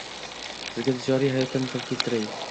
Sizga tijoriy hayotdan misol keltiray